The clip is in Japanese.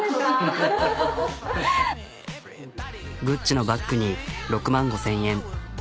グッチのバッグに６万５、０００円。